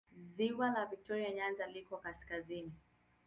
Ziwa la Viktoria Nyanza liko kaskazini.